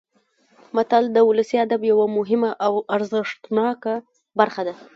متل د ولسي ادب یوه مهمه او ارزښتناکه برخه ده